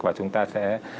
và chúng ta sẽ